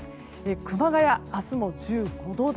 熊谷、明日も１５度台。